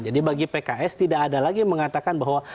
jadi bagi pks tidak ada lagi yang mengatakan bahwa